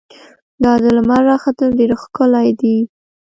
دا د لمر راختل ډېر ښکلی دي.